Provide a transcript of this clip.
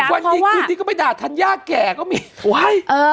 วันนี้คือนี้ก็ไม่ด่าทันยากแก่